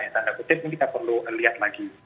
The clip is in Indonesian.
tanda kutip ini kita perlu lihat lagi